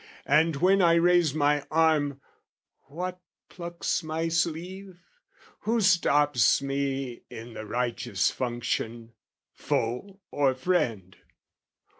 And when I raise my arm, what plucks my sleeve? Who stops me in the righteous function, foe Or friend?